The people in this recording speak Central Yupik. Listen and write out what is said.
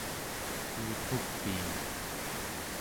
iiqupiim